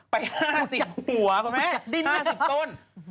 ไป๕๐หัวคุณแม่๕๐ต้น